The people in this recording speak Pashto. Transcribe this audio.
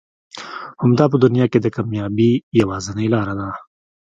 همدا په دنيا کې د کاميابي يوازنۍ لاره ده.